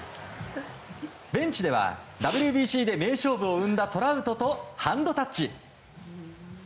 ベンチではＷＢＣで名勝負を生んだトラウトとハンドタッチ。